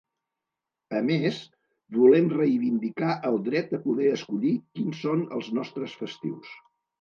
A més, volem reivindicar el dret a poder escollir quins són els nostres festius.